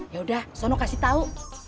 yaudah sono kasih tau